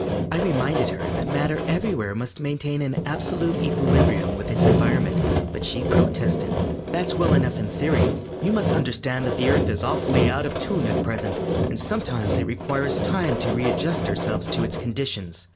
I reminded her that matter everywhere must maintain an absolute equilibrium with its environment, but she protested. "That's well enough in theory; you must understand that the Earth is awfully out of tune at present, and sometimes it requires time to readjust ourselves to its conditions."